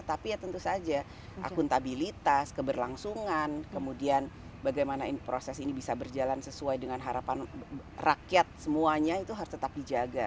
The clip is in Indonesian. tapi ya tentu saja akuntabilitas keberlangsungan kemudian bagaimana proses ini bisa berjalan sesuai dengan harapan rakyat semuanya itu harus tetap dijaga